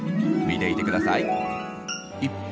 見ていてください。